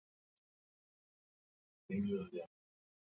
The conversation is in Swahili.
kwa shukrani yao ya mbali kutoka maeneo ya